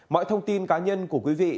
mọi thông tin cá nhân của quý vị